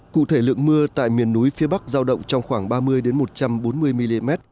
cụ thể lượng mưa tại miền núi phía bắc giao động trong khoảng ba mươi một trăm bốn mươi mm